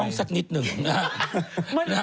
ต้องสักนิดหนึ่งนะฮะ